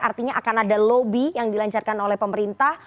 artinya akan ada lobby yang dilancarkan oleh pemerintah